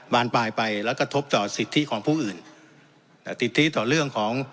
บานปลายไปแล้วกระทบต่อสิทธิของผู้อื่นสิทธิต่อเรื่องของ